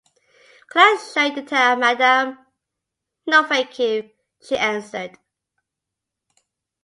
“Can I show you the town, madam?” “No, thank you,” she answered.